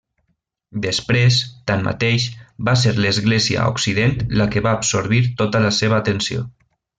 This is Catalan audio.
Després, tanmateix, va ser l'Església a Occident la que va absorbir tota la seva atenció.